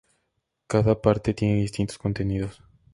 Cada parte tiene distintos contenidos.